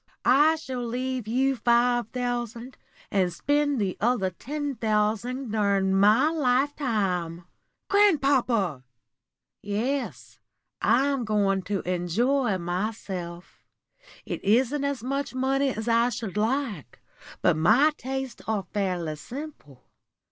I shall leave you five thousand, and spend the other ten thousand during my lifetime." "Grandpapa!" "Yes, I'm going to enjoy myself. It isn't as much money as I should like, but my tastes are fairly simple.